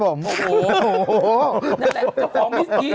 บอกตอนเบรกได้ไหม